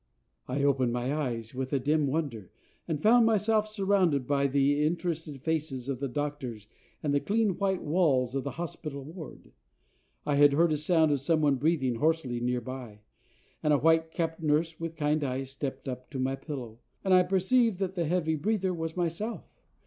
I opened my eyes with a dim wonder, and found myself surrounded by the interested faces of the doctors and the clean white walls of the hospital ward. I heard a sound of some one breathing hoarsely near by, and a white capped nurse with kind eyes stepped up to my pillow, and I perceived that the heavy breather was myself.